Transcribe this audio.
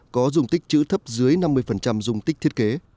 có dùng tích chữ thấp dưới năm mươi dung tích thiết kế